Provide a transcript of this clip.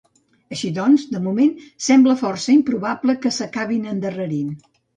Així doncs, de moment sembla força improbable que s’acabin endarrerint.